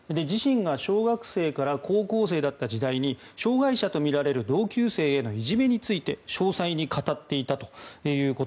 自信が小学生から高校生だった時代に障害者とみられる同級生へのいじめについて詳細に語っていたと。